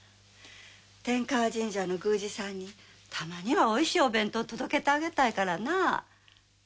天河神社の宮司さんにたまにはおいしいお弁当届けてあげたいからな。